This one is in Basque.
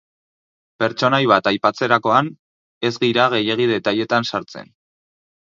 Pertsonai bat aipatzerakoan, ez gira gehiegi detailletan sartzen.